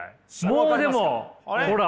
もうでもほら。